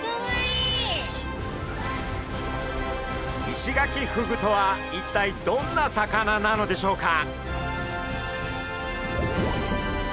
イシガキフグとは一体どんな魚なのでしょうか？